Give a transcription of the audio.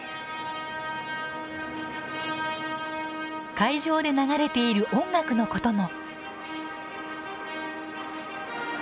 会場で流れている音楽のことも。